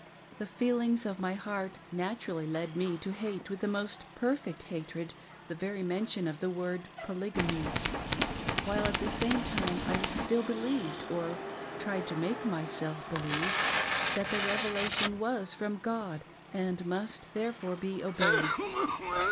The feelings of my heart naturally led me to hate with a most perfect hatred the very mention of the word Polygamy, while at the same time I still believed, or tried to make myself believe, that the Revelation was from God, and must therefore be obeyed.